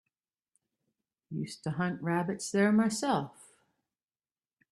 Used to hunt rabbits there myself.